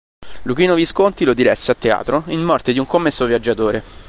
Luchino Visconti lo diresse a teatro in" Morte di un commesso viaggiatore".